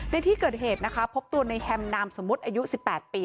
ในที่เกิดเหตุนะคะพบตัวในแฮมนามสมมุติอายุ๑๘ปี